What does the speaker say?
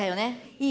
いい？